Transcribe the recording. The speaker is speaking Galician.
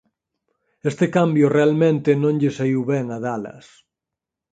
Este cambio realmente non lle saíu ben a Dallas.